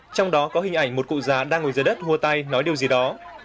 trong đó có hình ảnh một cụ già đang ngồi dưới đất vua tay nói điều gì đó